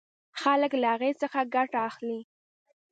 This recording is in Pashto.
خلک له هغې څخه ګټه اخلي.